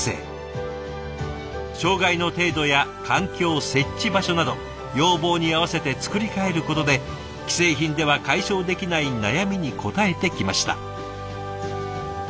障害の程度や環境設置場所など要望に合わせて作り替えることで既製品では解消できない悩みに応えてきました。